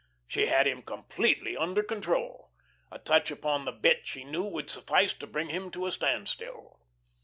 She had him completely under control. A touch upon the bit, she knew, would suffice to bring him to a standstill.